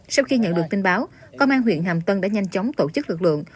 sau khi nhận được tin báo công an huyện hàm tân đã nhanh chóng tổ chức lực lượng